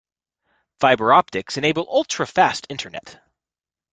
Fibre optics enable ultra-fast internet.